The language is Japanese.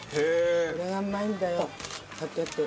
これがうまいんだよ。